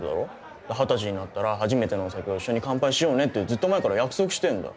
二十歳になったら初めてのお酒は一緒に乾杯しようねってずっと前から約束してんだ。